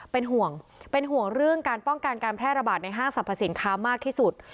เป็นห่วงเป็นห่วงเรื่องการป้องกันการแพร่ระบาดในห้างสรรพสินค้ามากที่สุด